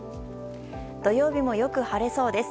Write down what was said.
土曜日もよく晴れそうです。